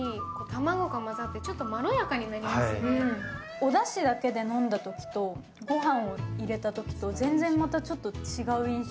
おだしだけで飲んだときとご飯を入れたときと全然またちょっと違う印象。